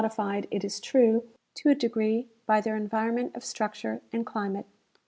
127 ifiecl, it is true, to a great degree by their environment of struc ture and climate.